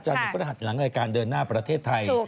พฤหัสหลังรายการเดินหน้าประเทศไทย